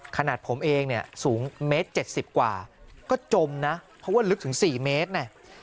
ขนาดผมเองเนี่ยสูงเมตร๗๐กว่าก็จมนะเพราะว่าลึกถึง๔เมตรเนี่ย